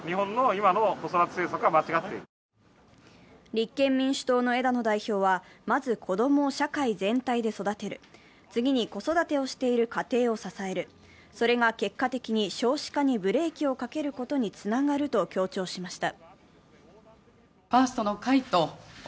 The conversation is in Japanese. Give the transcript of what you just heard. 立憲民主党の枝野代表は、まず子供を社会全体で育てる、次に子育てをしている家庭を支える、それが結果的に少子化にブレーキをかけることにつながると強調しました。